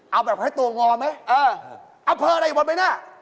เอาแบบให้ตัวงอดไหมเออแวะอยู่บนไหนเป็นยั่งหน้า